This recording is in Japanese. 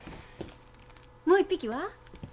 もう一匹は？